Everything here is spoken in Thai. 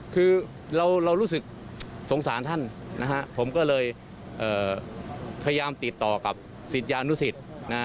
คือเรารู้สึกสงสารท่านนะครับผมก็เลยพยายามติดต่อกับสิทธิ์ยานุสิทธิ์นะ